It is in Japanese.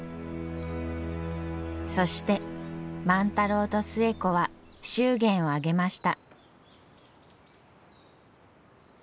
そして万太郎と寿恵子は祝言を挙げました。